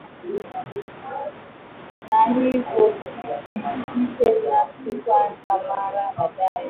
na hivyo kijiakishia nafasi ya kwanza mara baada